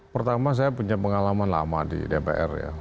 pertama saya punya pengalaman lama di dpr ya